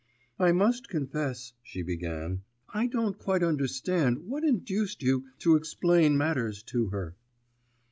'I must confess,' she began, 'I don't quite understand what induced you to explain matters to her.